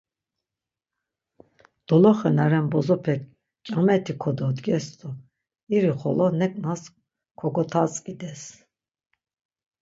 Doloxe na renan bozopek ǩyameti kododges do iri xolo neǩnas kogotazǩides.